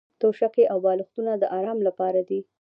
توشکې او بالښتونه د ارام لپاره دي.